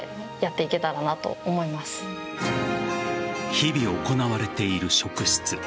日々、行われている職質。